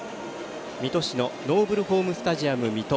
水戸市のノーブルホームスタジアム水戸。